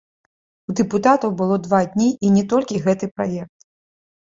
У дэпутатаў было два дні і не толькі гэты праект.